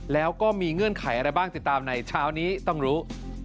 แล้วก็มีเงื่อนไขอะไรบ้างติดตามในเช้านี้ต้องรู้